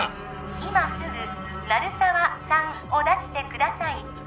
今すぐ鳴沢さんを出してください